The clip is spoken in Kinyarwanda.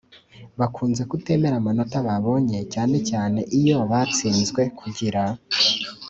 bakunze kutemera amanota babonye cyanecyane iyo batsinzwe Kugira